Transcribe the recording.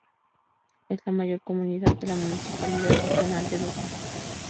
Es la mayor comunidad de la Municipalidad Regional de Durham.